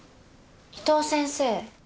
伊藤先生